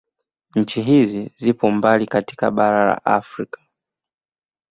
Nchi hizi zipo mbili katika bara la Afrika